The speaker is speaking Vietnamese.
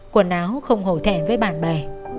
quần áo không hổ thẻn với bạn bè